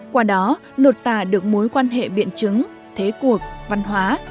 qua đó lột tả được mối quan hệ biện chứng thế cuộc văn hóa